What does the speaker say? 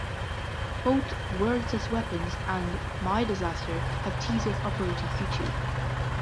Both "Words As Weapons" and "My Disaster" have teasers uploaded to YouTube.